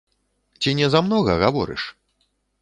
Ці не замнога гаворыш?